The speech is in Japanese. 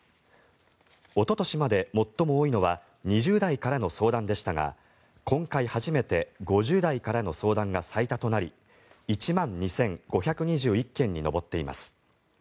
おととしまで最も多いのは２０代からの相談でしたが今回初めて５０代からの相談が最多となり１万２５２１件に上っています。